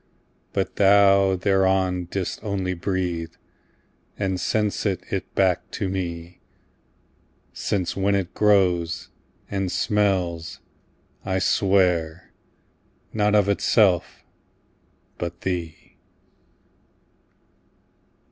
But thou thereon didst only breathe, And sent'st back to me: Since when it grows, and smells, I swear, Not of itself, but thee.